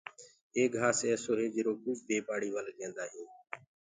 ايڪ گھآس ايسو هي جرو ڪوُ بي پآڙي ول ڪيندآ هينٚ۔